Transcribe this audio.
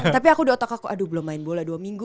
tapi aku di otak aku aduh belum main bola dua minggu